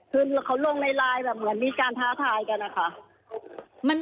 คือเขาลงในไลน์แบบเหมือนมีการท้าทายกันนะคะ